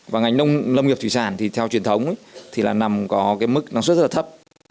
và ngành nông nghiệp thủy sản thì theo truyền thống thì là nằm có cái mức năng suất rất là thấp